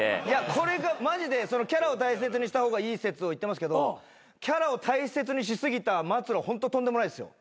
これがマジでキャラを大切にした方がいい説を言ってますけどキャラを大切にし過ぎた末路ホントとんでもないですよ。